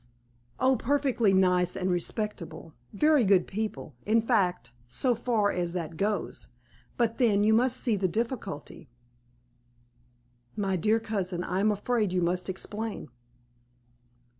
"O, perfectly nice and respectable, very good people, in fact, so far as that goes. But then you must see the difficulty." "My dear cousin, I am afraid you must explain."